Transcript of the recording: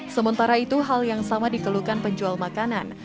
sementara itu hal yang sama dikeluhkan penjual makanan